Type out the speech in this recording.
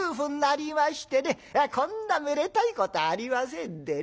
こんなめでたいことはありませんでね